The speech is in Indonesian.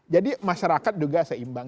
jadi masyarakat juga seimbang